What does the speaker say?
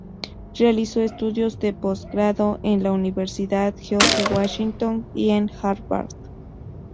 Realizó estudios de postgrado en la Universidad George Washington y en Harvard.